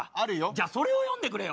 じゃあそれを詠んでくれよ。